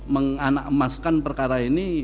menganak emaskan perkara ini